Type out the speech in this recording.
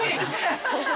ハハハ